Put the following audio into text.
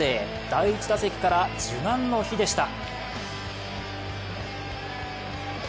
第１打席から受難の日でした。